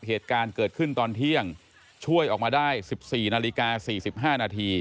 เหตุการณ์เกิดขึ้นตอนเที่ยงช่วยออกมาได้สิบสี่นาฬิกาสี่สิบห้านาที